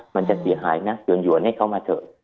มันจะเสียหายนะหวนให้เขามาเถอะ